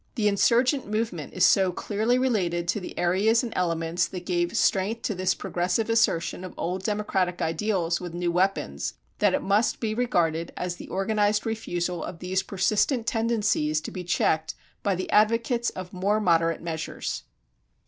The Insurgent movement is so clearly related to the areas and elements that gave strength to this progressive assertion of old democratic ideals with new weapons, that it must be regarded as the organized refusal of these persistent tendencies to be checked by the advocates of more moderate measures.